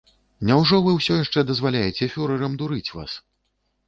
Няўжо вы ўсё яшчэ дазваляеце фюрэрам дурыць вас?